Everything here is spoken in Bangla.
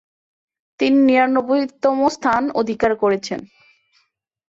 তিনি তিরানব্বইতম স্থান অধিকার করেছেন।